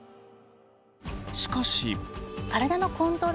しかし。